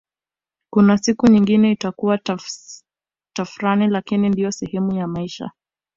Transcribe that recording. Kuna siku nyingine itakuwa tafrani lakini ndiyo sehemu ya maisha